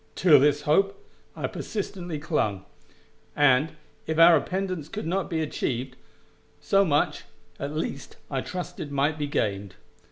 To this hope I persistently clung, and, if our independence could not be achieved, so much, at least, I trusted might be gained.